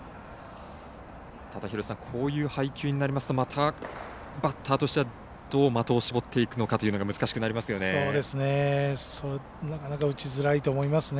ただこういう配球になりますとまたバッターとしてはどう的を絞っていくのかというのが難しくなっていきますね。